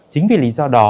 chính vì lý do đó